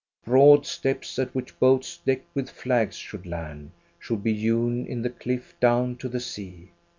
Broad steps, at which boats decked with flags should land, should be hewn in the cliff down to the sea.